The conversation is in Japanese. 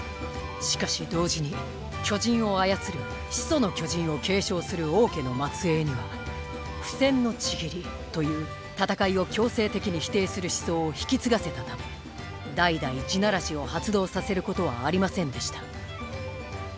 しかし同時に巨人を操る「始祖の巨人」を継承する王家の末裔には「不戦の契り」という戦いを強制的に否定する思想を引き継がせたため代々「地鳴らし」を発動させることはありませんでした。